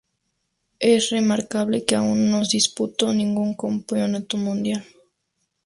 Es remarcable que aún no disputó ningún Campeonato Mundial.